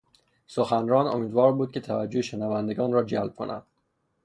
سخنران امیدوار بود که توجه شنودگان را جلب کند.